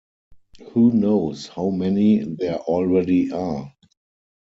Who knows how many there already are?